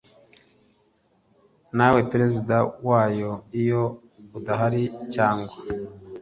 nawe Perezida wayo Iyo adahari cyangwa